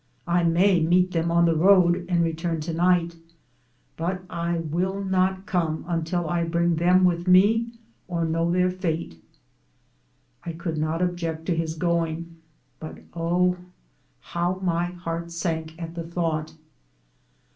I may meet them on the. road and return to night, but I will not come until I bring them with me, or know their fate." I could not object to his going, but oh, how my heart sank at the thought.